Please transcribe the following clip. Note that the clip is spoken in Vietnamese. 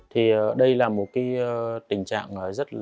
thì đây là một cái tình trạng rất là đáng phát triển